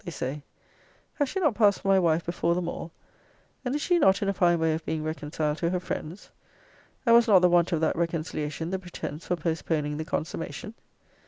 they say: Has she not passed for my wife before them all? And is she not in a fine way of being reconciled to her friends? And was not the want of that reconciliation the pretence for postponing the consummation?